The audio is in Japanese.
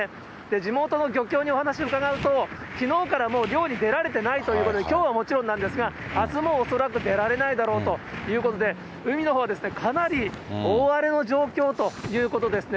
地元の漁協にお話を伺うときのうからもう、漁に出られていないということで、きょうはもちろんなんですが、あすも恐らく出られないだろうということで、海のほう、かなり大荒れの状況ということですね。